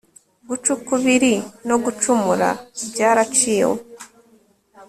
guca ukubiri no gucumura byaraciwe